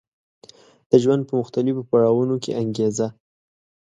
د ژوند په مختلفو پړاوونو کې انګېزه